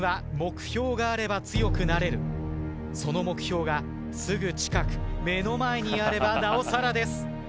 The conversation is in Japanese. その目標がすぐ近く目の前にあればなおさらです。